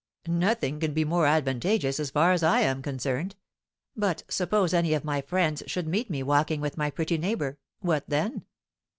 "Nothing can be more advantageous, as far as I am concerned; but suppose any of my friends should meet me walking with my pretty neighbour, what then?"